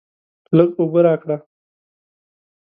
لږ اوبه راکړه!